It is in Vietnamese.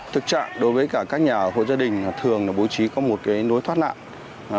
thực trạng đối với các nhà hội gia đình thường bố trí có một nối thoát nạn